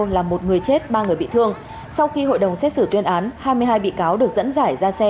làm một người chết ba người bị thương sau khi hội đồng xét xử tuyên án hai mươi hai bị cáo được dẫn giải ra xe